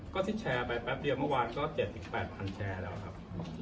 ก็ที่แชร์ไปแป๊บเดียวเมื่อวานก็๗๘๐๐แชร์แล้วครับ